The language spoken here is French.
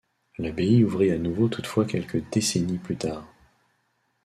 L'abbaye ouvrit à nouveau toutefois quelques décennies plus tard.